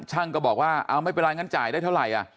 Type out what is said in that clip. ก็บอกว่าเอาไม่เป็นไรงั้นจ่ายได้เท่าไหร่